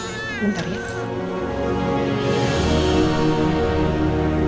kenapa masuk keabsurdan ya